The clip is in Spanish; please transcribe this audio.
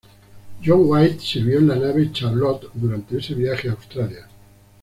John White sirvió en la nave "Charlotte" durante ese viaje a Australia.